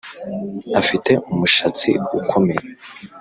Afite umushatsi ukomeye